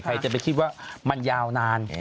ใครจะไปคิดว่ามันยาวนาน